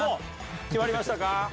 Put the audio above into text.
決まりましたか？